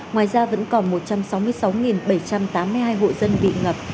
ngoài ra vẫn còn một trăm sáu mươi sáu bảy trăm tám mươi hai hộ dân bị ngập